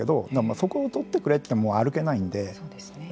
そこを撮ってくれってもう歩けないんで。